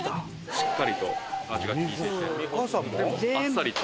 しっかりと味が利いててあっさりと。